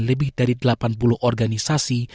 lebih dari delapan puluh organisasi